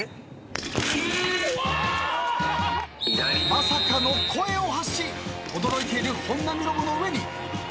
［まさかの声を発し驚いている本並ロボの上に華麗なるシュート］